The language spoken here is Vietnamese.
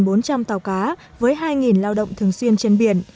trên bốn trăm linh tàu cá với hai lao động thường xuyên trên biển